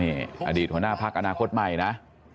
นี่อดีตหัวหน้าพักอนาคตใหม่นะ